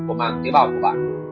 của mạng tế bào của bạn